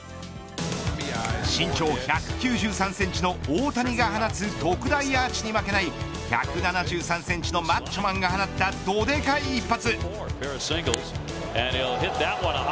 身長１９３センチの大谷が放つ特大アーチに負けない１７３センチのマッチョマンが放った、どでかい一発。